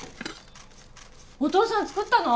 お父さん作ったの？